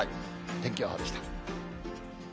天気予報でした。